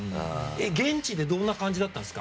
現地でどんな感じだったんですか。